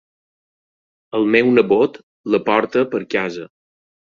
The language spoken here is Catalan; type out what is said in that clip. El meu nebot la porta per casa.